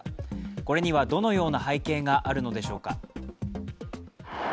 これにはどのような背景があるのでしょうか？